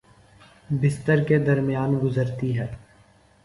بستر کے درمیان گزرتی ہے